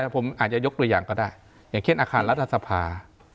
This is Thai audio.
ผมอาจจะยกตัวอย่างก็ได้อย่างเช่นอาคารรัฐสภา